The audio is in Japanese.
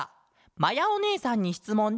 「まやおねえさんにしつもんです。